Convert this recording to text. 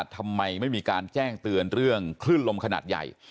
ทำไมไม่มีการแจ้งเตือนเรื่องคลื่นลมขนาดใหญ่